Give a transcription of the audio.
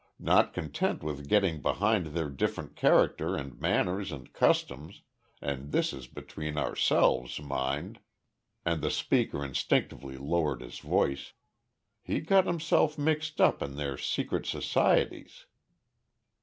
Not content with getting behind their different character and manners and customs and this is between ourselves, mind," and the speaker instinctively lowered his voice "he got himself mixed up in their secret societies."